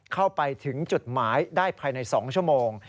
เข้าไปถึงจุดหมายได้ภายใน๒ชั่วโมง